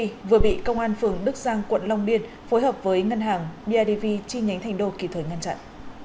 người bị công an phường đức giang quận long biên phối hợp với ngân hàng bidv chi nhánh thành đồ kỳ thời ngăn chặn